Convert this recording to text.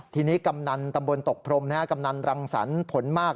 ทีนี้กำนันตำบลตกพรมกำนันรังสรรค์ผลมาก